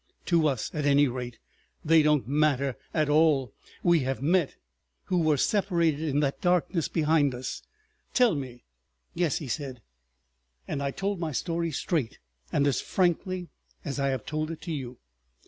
To us, at any rate, they don't matter at all. We have met, who were separated in that darkness behind us. Tell me. "Yes," he said; and I told my story straight and as frankly as I have told it to you.